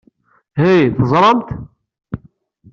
Hey, teẓramt?